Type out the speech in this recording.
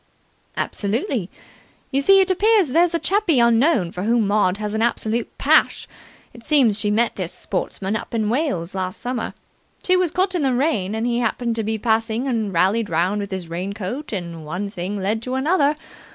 "Absolutely. You see, it appears there's a chappie unknown for whom Maud has an absolute pash. It seems she met this sportsman up in Wales last summer. She was caught in the rain, and he happened to be passing and rallied round with his rain coat, and one thing led to another.